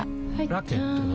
ラケットは？